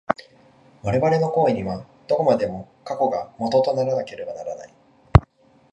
我々の行為には、どこまでも過去が基とならなければならない。